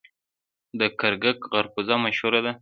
د ګرګک خربوزه مشهوره ده.